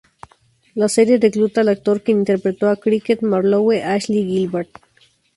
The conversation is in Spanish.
La serie recluta al actor quien interpretó a Cricket Marlowe, Ashley Gilbert.